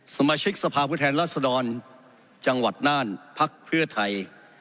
สมาชิกสภาพผู้แทนรัศดรจังหวัดน่านพักเพื่อไทย